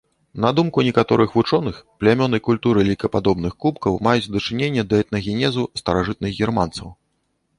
На думку некаторых вучоных, плямёны культуры лейкападобных кубкаў маюць дачыненне да этнагенезу старажытных германцаў.